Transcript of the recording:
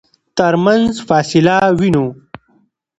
ترمنځ فاصله وينو.